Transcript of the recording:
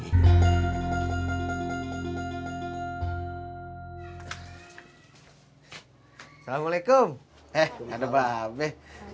assalamualaikum eh ada mbak abe